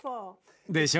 でしょ？